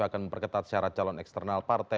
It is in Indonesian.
akan memperketat syarat calon eksternal partai